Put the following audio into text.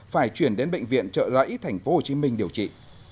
phải chuyển đến bệnh viện trợ rẫy tp hcm điều trị